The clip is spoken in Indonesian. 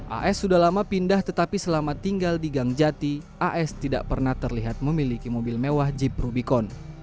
as sudah lama pindah tetapi selama tinggal di gangjati as tidak pernah terlihat memiliki mobil mewah jeep rubicon